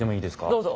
どうぞ。